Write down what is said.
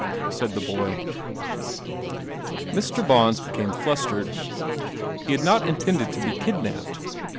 ' said the tx Mr, B ms became flustered. He had not in tended to be kidnapped.